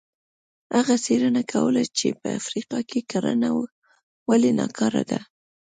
هغه څېړنه کوله چې په افریقا کې کرنه ولې ناکاره ده.